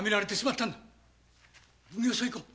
奉行所へ行こう。